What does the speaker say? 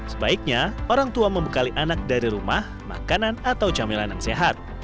sebaiknya orang tua membekali anak dari rumah makanan atau camilan yang sehat